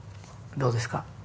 どうですか？